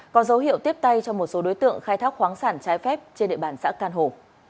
có dấu hiệu tiếp tay cho một số đối tượng khai thác khoáng sản trái phép trên địa bàn xã can hồ